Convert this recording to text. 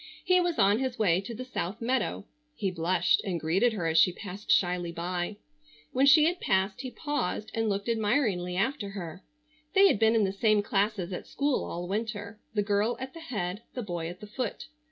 He was on his way to the South meadow. He blushed and greeted her as she passed shyly by. When she had passed he paused and looked admiringly after her. They had been in the same classes at school all winter, the girl at the head, the boy at the foot.